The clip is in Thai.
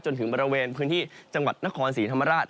จนถึงบริเวณพื้นที่จังหวัดนครศรีธรรมราช